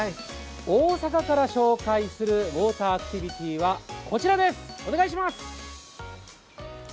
大阪から紹介するウォーターアクティビティーは、こちらです。